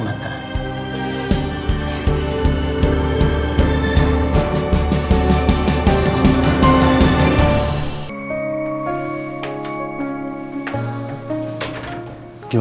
dan jangan pernah mengucuk mata